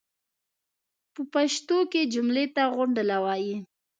پۀ پښتو کې جملې ته غونډله وایي.